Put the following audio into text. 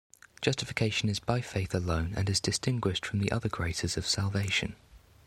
Justification is by faith alone and is distinguished from the other graces of salvation.